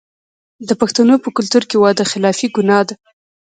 د پښتنو په کلتور کې وعده خلافي ګناه ده.